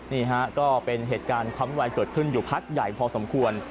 นี่ฮะก็เป็นเหตุการณ์ความวุ่นวายเกิดขึ้นอยู่พักใหญ่พอสมควร